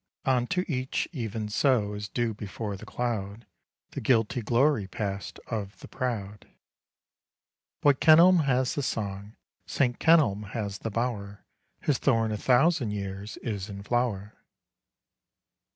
Unto each, even so. As dew before the cloud, The guilty glory passed Of the proud. Boy Kenelm has the song, Saint Kenelm has the bower; His thorn a thousand years Is in flower!